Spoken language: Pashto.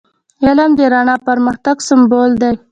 علم د رڼا او پرمختګ سمبول دی.